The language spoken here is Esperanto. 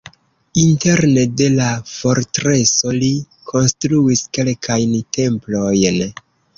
Interne de la fortreso li konstruis kelkajn templojn.